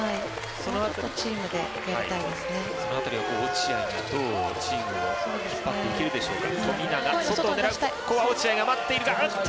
その辺りは、落合がどうチームを引っ張っていけるでしょうか。